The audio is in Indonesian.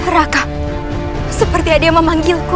neraka seperti ada yang memanggilku